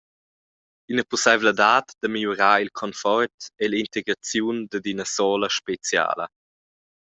Ina pusseivladad da migliurar il confort ei la integraziun dad ina sola speciala.